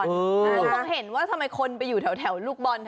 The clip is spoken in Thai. มันก็คงเห็นว่าทำไมคนไปอยู่แถวลูกบอล